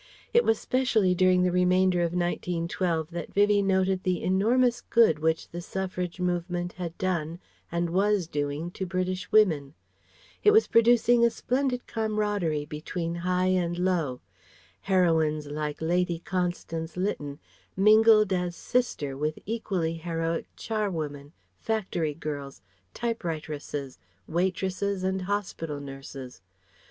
It was specially during the remainder of 1912 that Vivie noted the enormous good which the Suffrage movement had done and was doing to British women. It was producing a splendid camaraderie between high and low. Heroines like Lady Constance Lytton mingled as sister with equally heroic charwomen, factory girls, typewriteresses, waitresses and hospital nurses.